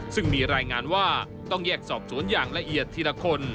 ซึ่งมีรายงานว่าต้องแยกสอบสวนอย่างละเอียดทีละคน